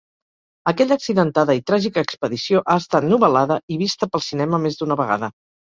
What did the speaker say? Aquella accidentada i tràgica expedició ha estat novel·lada i vista pel cinema més d'una vegada.